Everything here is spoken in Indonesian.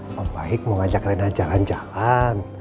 eh om baik mau ngajak rena jalan jalan